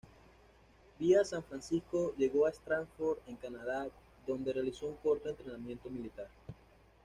Vía San Francisco llegó a Stratford, en Canadá, donde realiza un corto entrenamiento militar.